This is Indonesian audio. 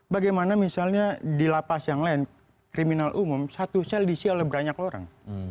bagaimana misalnya di lapas yang lain kriminal umum satu sel diisi oleh banyak orang